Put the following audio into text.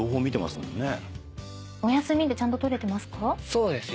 そうですね。